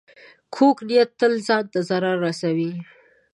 کوږ نیت تل ځان ته ضرر رسوي